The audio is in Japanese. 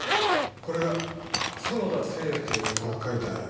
これが園田星也という子が描いた絵です。